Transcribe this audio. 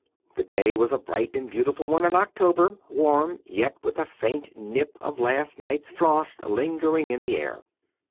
The day was a bright and beautiful one in October, warm, yet with a faint nip of last night's frost lingering in the air.